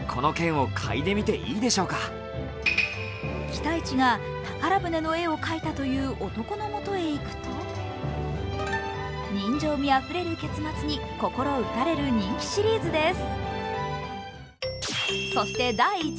北一が宝船の絵を描いたという男のもとへ行くと人情味あふれる結末に心打たれる人気シリーズです。